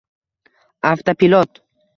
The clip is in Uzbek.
Avtopilot